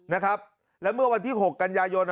นะครับแล้วเมื่อวันที่๖กันยายน